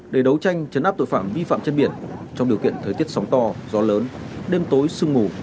để đấu tranh chấn áp tội phạm vi phạm trên biển trong điều kiện thời tiết sóng to gió lớn đêm tối sương mù